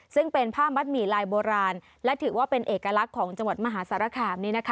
ซึ่งเป็นผ้ามัดหมี่ลายโบราณและถือว่าเป็นเอกลักษณ์ของจังหวัดมหาสารคาม